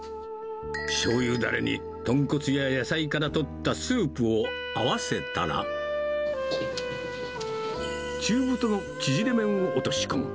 しょうゆだれに豚骨や野菜から取ったスープを合わせたら、中太のちぢれ麺を落とし込む。